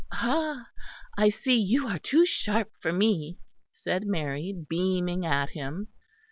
"Ah! I see you are too sharp for me," said Mary, beaming at him.